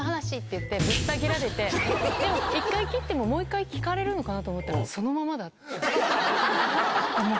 １回切ってももう１回聞かれるかと思ったらそのままだった。